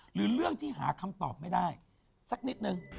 หรือเรื่องที่หาคำตอบไม่ได้สักนิดนึง